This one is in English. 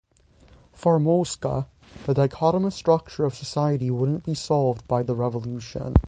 For Mosca, the dichotomous structure of society wouldn't be solved by the revolution.